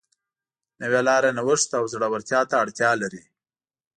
نوې لاره نوښت او زړهورتیا ته اړتیا لري.